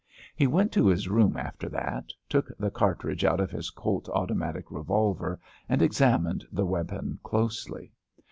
He went to his room after that, took the cartridges out of his Colt automatic revolver and examined the weapon closely.